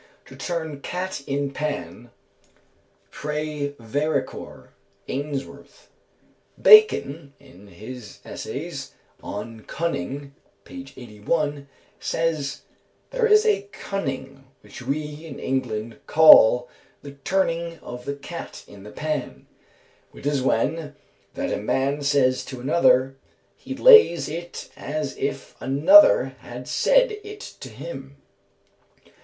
"To turn cat in pan: Prævaricor" (Ainsworth). Bacon, in his Essays "On Cunning," p. 81, says: "There is a cunning which we in England call 'the turning of the cat in the pan,' which is when that a man says to another, 'he lays it as if another had said it to him.'"